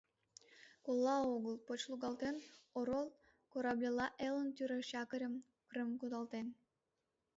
Колла огыл, поч лугалтен, орол корабльла элын тӱреш якорьым Крым кудалтен.